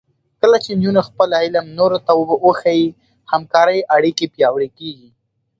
کله چې نجونې خپل علم نورو ته وښيي، همکارۍ اړیکې پیاوړې کېږي.